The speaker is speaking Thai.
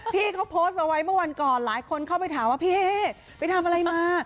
พี่เขาโพสต์เอาไว้เมื่อวันก่อนหลายคนเข้าไปถามว่าพี่เฮ้ไปทำอะไรมา